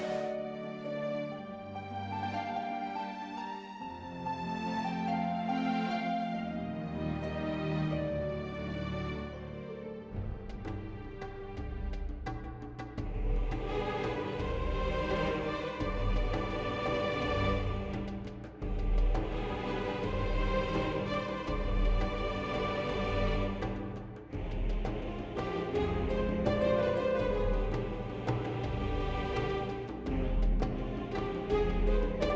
terima kasih kanjeng